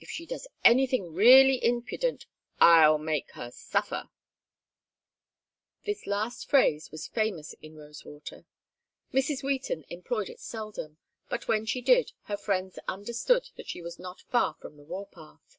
If she does anything really imprudent, I'll make her suffer." This last phrase was famous in Rosewater. Mrs. Wheaton employed it seldom, but when she did her friends understood that she was not far from the war path.